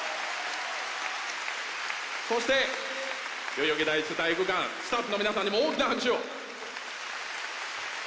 そして、代々木第一体育館、スタッフの皆さんにも大きな拍手を。